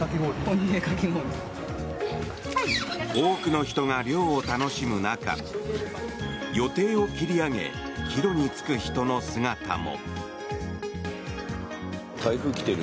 多くの人が涼を楽しむ中予定を切り上げ帰路に就く人の姿も。